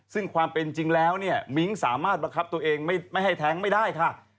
ซึ่งความเป็นจริงแล้วเนี่ยมิ้งสามารถบังคับตัวเองไม่ให้แท้งไม่ได้ค่ะ